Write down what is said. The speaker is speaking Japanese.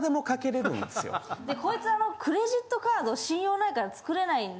こいつあのクレジットカード信用ないから作れないんで。